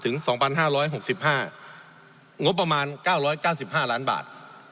งบประมาณ๙๙๕ล้านบาท